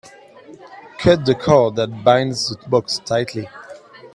Cut the cord that binds the box tightly.